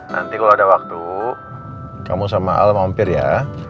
nanti kalau ada waktu kamu sama al mampir ya